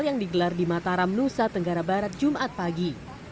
yang digelar di mataram nusa tenggara barat jumat pagi